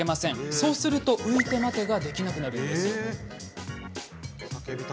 そうすると、浮いて待てができなくなるんです。